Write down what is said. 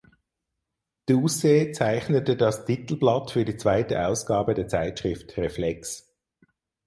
Doucet zeichnete das Titelblatt für die zweite Ausgabe der Zeitschrift ‘Reflex’.